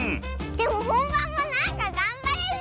でもほんばんもなんかがんばれそう！